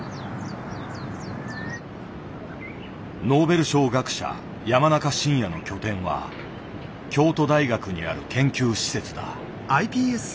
ノーベル賞学者山中伸弥の拠点は京都大学にある研究施設だ。